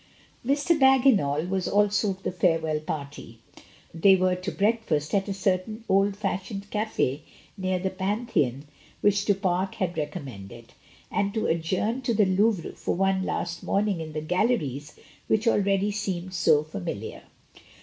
Mr. Bagginal was also of the farewell party. They were to breakfast at a certain old fashioned caf(6 near the Panthdon, which Du Pare had recom mended, and to adjourn to the Louvre for one las: morning in the galleries which already seemed so familiar.